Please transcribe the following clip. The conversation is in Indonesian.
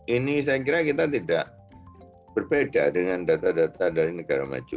ini saya kira kita tidak berbeda dengan data data dari negara maju